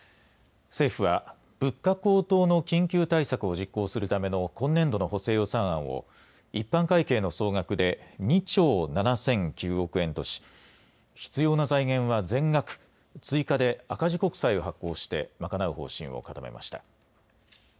政府は、物価高騰の緊急対策を実行するための今年度の補正予算案を、一般会計の総額で２兆７００９億円とし、必要な財源は、全額、追加で赤字国債を発行して、賄う方針を固めました。